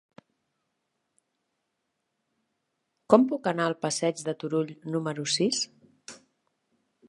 Com puc anar al passeig de Turull número sis?